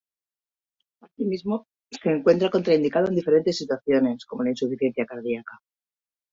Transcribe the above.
Asimismo se encuentra contraindicado en diferentes situaciones como la insuficiencia cardiaca.